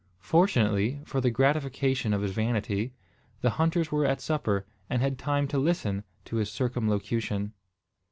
Fortunately, for the gratification of his vanity, the hunters were at supper, and had time to listen to his circumlocution.